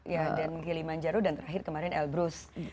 ya dan ke limanjaro dan terakhir kemarin elbrus